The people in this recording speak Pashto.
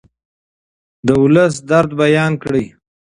د ولس درد بیان کړئ.